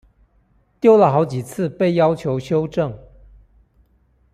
丟了好幾次被要求修正